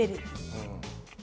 うん。